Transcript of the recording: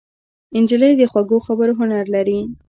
نجلۍ د خوږو خبرو هنر لري.